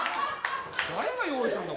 誰が用意したんだ